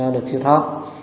được sưu thoát